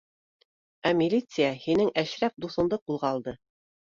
— Ә милиция һинең Әшрәф дуҫыңды ҡулға алды